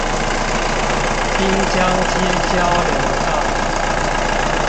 濱江街交流道